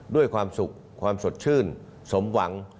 ด้วยความสุขความสดชื่นสมหวัง